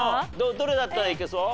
どれだったらいけそう？